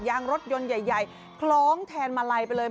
ยางรถยนต์ใหญ่คล้องแทนมาลัยไปเลย